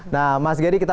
nah mas gary kita